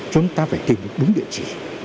chúng ta phải tìm được đúng địa chỉ